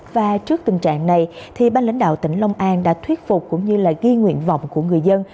và trước tình trạng này ba lãnh đạo tỉnh long an đã thuyết phục cũng như ghi nguyện vọng của người dân